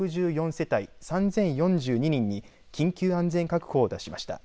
世帯３０４２人に緊急安全確保を出しました。